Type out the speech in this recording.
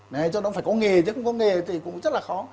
này do đó phải có nghề dưới không có nghề thì cũng rất là khó